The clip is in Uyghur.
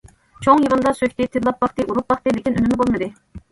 چوڭ يىغىندا سۆكتى، تىللاپ باقتى، ئۇرۇپ باقتى، لېكىن ئۈنۈمى بولمىدى.